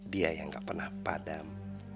dia yang gak pernah padam